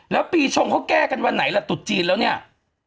แล้วปีชงเขาแก้กันวันไหนล่ะตุดจีนแล้วเนี่ย